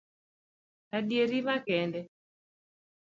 Adieri makende